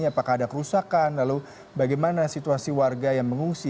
apakah ada kerusakan lalu bagaimana situasi warga yang mengungsi